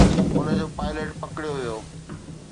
ان جو پائلٽ پڪڙيو ويو.